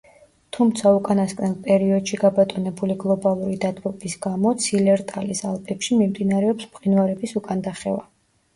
თუმცა უკანასკნელ პერიოდში გაბატონებული გლობალური დათბობის გამო ცილერტალის ალპებში მიმდინარეობს მყინვარების უკანდახევა.